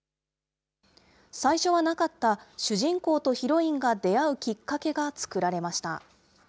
最初はなかった、主人公とヒロインが出会うきっかけが作られました。